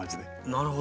なるほど。